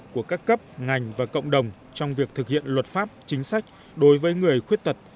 của các cấp ngành và cộng đồng trong việc thực hiện luật pháp chính sách đối với người khuyết tật